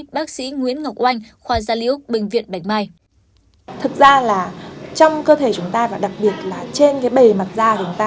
bác sĩ nguyễn ngọc oanh khoa gia liễu bệnh viện bạch mai